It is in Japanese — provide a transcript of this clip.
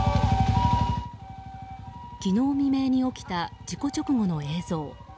昨日未明に起きた事故直後の映像。